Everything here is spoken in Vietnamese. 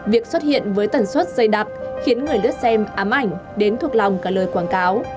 việc xuất hiện với tẩn xuất dây đặc khiến người đứt xem ám ảnh đến thuộc lòng cả lời quảng cáo